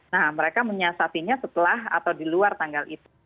nah mereka menyiasatinya setelah atau di luar tanggal itu